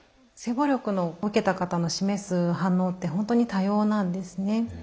性暴力を受けた方の示す反応って本当に多様なんですね。